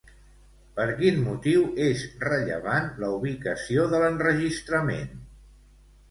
Per quin motiu és rellevant, la ubicació de l'enregistrament?